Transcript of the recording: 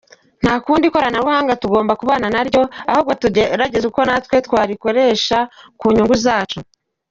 Nta kundi ikoranabuhanga tugomba kubana naryo, ahubwo tugerageza uko natwe twarikoresha ku nyungu zacu.